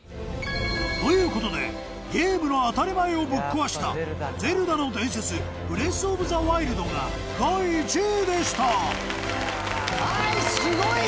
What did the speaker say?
という事でゲームの当たり前をぶっ壊した『ゼルダの伝説ブレスオブザワイルド』が第１位でした裕二：